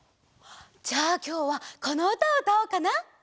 じゃあきょうはこのうたをうたおうかな。